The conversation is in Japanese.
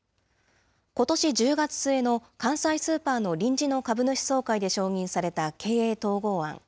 ことし１０月末の関西スーパーの臨時の株主総会で承認された経営統合案。